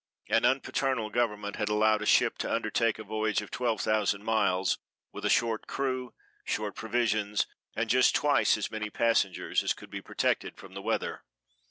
An unpaternal government had allowed a ship to undertake a voyage of twelve thousand miles, with a short crew, short provisions, and just twice as many passengers as could be protected from the weather.